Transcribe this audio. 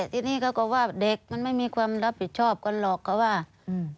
ทีนี้เขาก็ว่าเด็กมันไม่มีความรับผิดชอบกันหรอกเขาว่าอืม